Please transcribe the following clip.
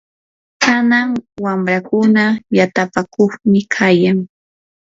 kanan wamrakuna yatapakuqmi kayan.